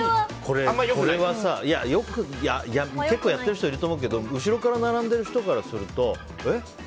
これは結構やってる人いると思うけど後ろから並んでる人からするとえっ？